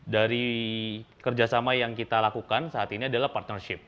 dari kerjasama yang kita lakukan saat ini adalah partnership